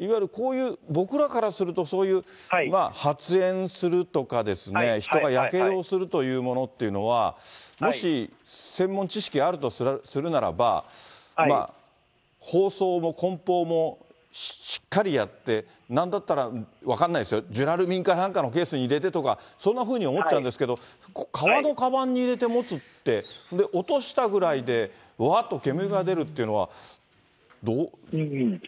いわゆるこういう、僕らからすると、そういう発煙するとかですね、人がやけどするというものっていうのは、もし専門知識あるとするならば、包装もこん包もしっかりやって、なんだったら、分かんないですよ、ジュラルミンかなんかのケースに入れてとか、そんなふうに思っちゃうんですけど、革のかばんに入れて持つって、そして落としたぐらいでわーっと煙が出るというのはどういう？